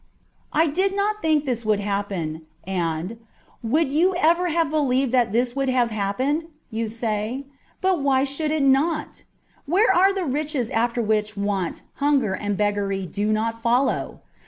"I did not think this would happen," and " Would you ever have believed that this would have happened ?" say you. But why should it not ? Where are the riches after which want, hunger, and beggary do not follow